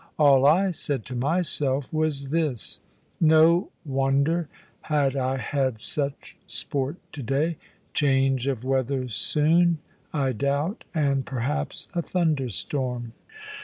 All I said to myself was this: "No wonder I had such sport to day; change of weather soon, I doubt, and perhaps a thunderstorm."